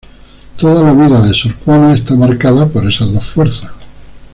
Toda la vida de sor Juana está marcada por esas dos fuerzas.